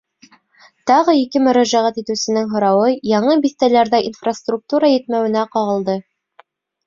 Тағы ике мөрәжәғәт итеүсенең һорауы яңы биҫтәләрҙә инфраструктура етмәүенә ҡағылды.